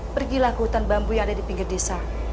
pergilah ke hutan bambu yang ada di pinggir desa